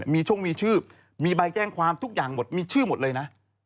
มีช่องมีชื่อมีใบแจ้งความทุกอย่างหมดมีชื่อหมดเลยนะ